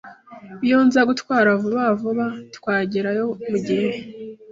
Iyo nza gutwara vuba vuba, twagerayo mugihe.